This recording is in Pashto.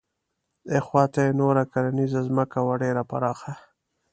اخواته یې نوره کرنیزه ځمکه وه ډېره پراخه.